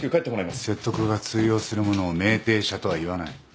説得が通用する者を酩酊者とは言わない。